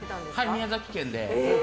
宮崎県で。